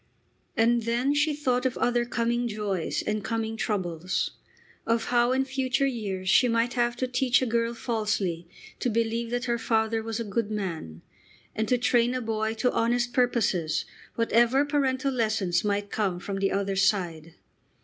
And then she thought of other coming joys and coming troubles, of how in future years she might have to teach a girl falsely to believe that her father was a good man, and to train a boy to honest purposes whatever parental lessons might come from the other side.